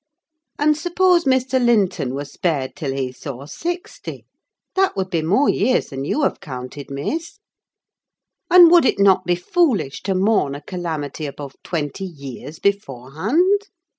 And suppose Mr. Linton were spared till he saw sixty, that would be more years than you have counted, Miss. And would it not be foolish to mourn a calamity above twenty years beforehand?"